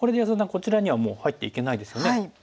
こちらにはもう入っていけないですよね。